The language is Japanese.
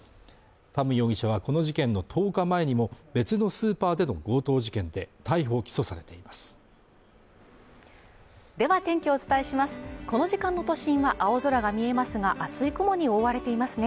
ファム容疑者はこの事件の１０日前にも別のスーパーでの強盗事件で逮捕・起訴されていますでは天気をお伝えしますこの時間の都心は青空が見えますが厚い雲に覆われていますね